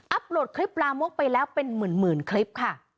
โหลดคลิปลามกไปแล้วเป็นหมื่นคลิปค่ะ